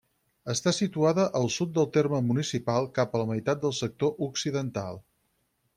Està situada al sud del terme municipal, cap a la meitat del sector occidental.